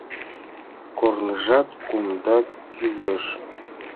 Корныжат кумда кӱлеш.